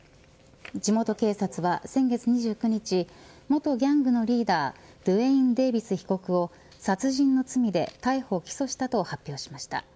地元警察は先月２９日元ギャングのリーダードゥエイン・デービス被告を殺人の罪で逮捕、起訴したと発表しました。